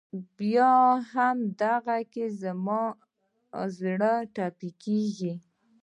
په هم هغه کې زما زړه تپېږي